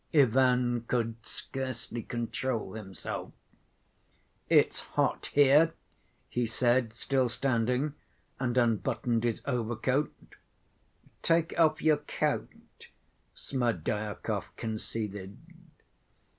Ivan could scarcely control himself. "It's hot here," he said, still standing, and unbuttoned his overcoat. "Take off your coat," Smerdyakov conceded.